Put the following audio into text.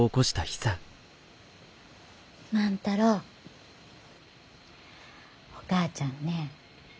万太郎お母ちゃんね